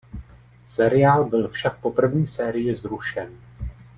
Seriál byl však po první sérii zrušen.